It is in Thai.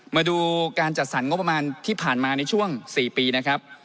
มาดูการจัดสรรงบประมาณที่ผ่านมาในช่วง๔ปีนะครับ